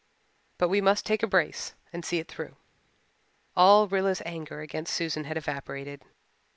But we must take a brace and see it through." All Rilla's anger against Susan had evaporated.